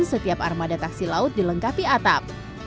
setiap armada taksi laut dilengkapi atap